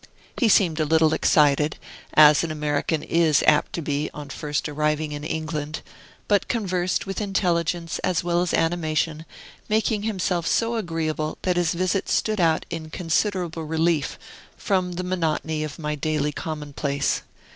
He seemed a little excited, as an American is apt to be on first arriving in England, but conversed with intelligence as well as animation, making himself so agreeable that his visit stood out in considerable relief from the monotony of my daily commonplace.